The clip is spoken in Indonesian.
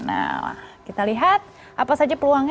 nah kita lihat apa saja peluangnya